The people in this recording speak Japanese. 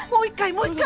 もう１回！